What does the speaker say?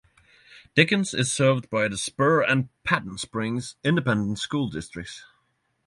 Dickens is served by the Spur and Patton Springs Independent School Districts.